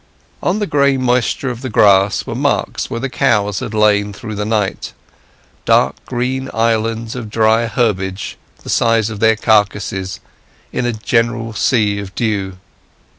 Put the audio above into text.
On the gray moisture of the grass were marks where the cows had lain through the night—dark green islands of dry herbage the size of their carcasses, in the general sea of dew.